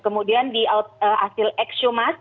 kemudian di hasil eksumas